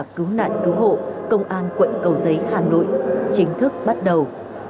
cứu nạn cứu hộ công an quận cầu giấy hà nội chính thức bắt đầu